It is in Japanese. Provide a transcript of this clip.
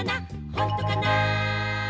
ほんとかな？